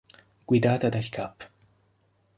Guidata dal cap.